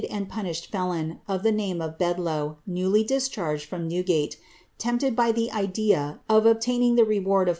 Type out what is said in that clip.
and punished felon, of the name of Bedloe, ncwij i!; t '::ivei: from Xewjaie, trnipted by the idea of obtaining the rewanl •'!